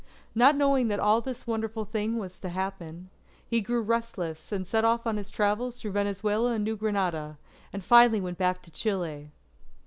Not knowing that all this wonderful thing was to happen, he grew restless and set off on his travels through Venezuela and New Granada, and finally went back to Chile.